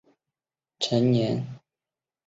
成年后也继续在多部电视及电影中亮相。